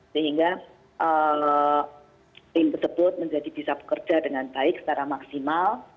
sehingga tim tersebut menjadi bisa bekerja dengan baik secara maksimal